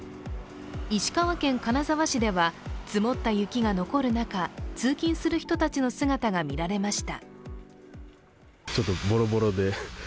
石川県金沢市では積もった雪が残る中通勤する人たちの姿が見られました。